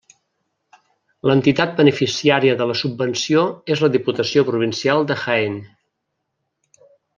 L'entitat beneficiària de la subvenció és la Diputació Provincial de Jaén.